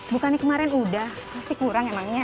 bukannya kemarin udah pasti kurang emangnya